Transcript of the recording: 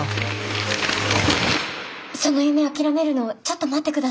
その夢諦めるのちょっと待ってください。